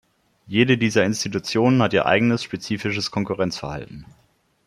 Jede dieser Institutionen hat ihr eigenes spezifisches Konkurrenzverhalten.